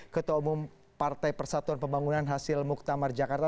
ketua umum partai persatuan pembangunan hasil muktamar jakarta